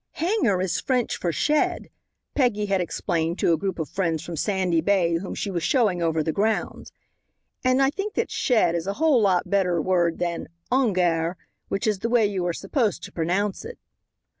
"Hangar is French for shed," Peggy had explained to a group of friends from Sandy Bay whom she was showing over the grounds, "and I think that shed is a whole lot better word than 'Ongar,' which is the way you are supposed to pronounce it."